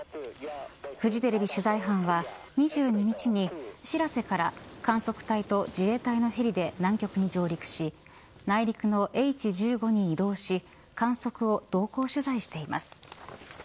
フジテレビ取材班は、２２日にしらせから観測隊と自衛隊のヘリで南極に上陸し内陸のＨ１５に移動し観測を同行取材しています。